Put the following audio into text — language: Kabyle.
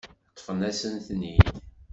Ṭṭfent-asent-ten-id.